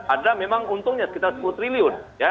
ada memang untungnya sekitar sepuluh triliun